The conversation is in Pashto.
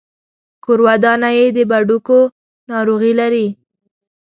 کورودانه يې د بډوګو ناروغي لري.